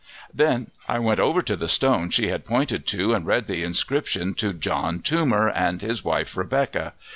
Then I went over to the stone she had pointed to and read the inscription to John Toomer and his wife Rebecca.